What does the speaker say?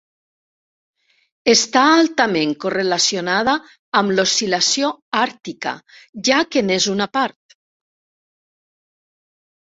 Està altament correlacionada amb l'oscil·lació àrtica, ja que n'és una part.